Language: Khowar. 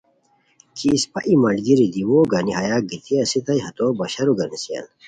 کی اسپہ ای ملگیری دیوؤ گانی ہائیی گیتی اسیتائے، ہتو بشارو گانیسیان